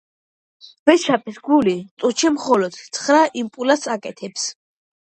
ვეშაპის გული წუთში მხოლოდ ცხრა იმპულსს აკეთებს.